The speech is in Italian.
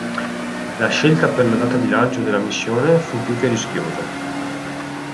La scelta per la data di lancio della missione fu più che rischiosa.